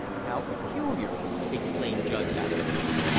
"How peculiar!" exclaimed Judge Atherton.